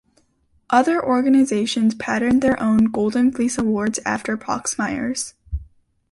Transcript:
Other organizations patterned their own "Golden Fleece Awards" after Proxmire's.